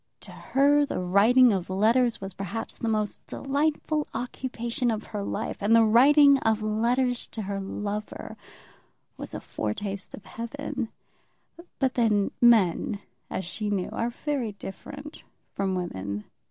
To her the writing of letters was perhaps the most delightful occupation of her life, and the writing of letters to her lover was a foretaste of heaven; but then men, as she knew, are very different from women.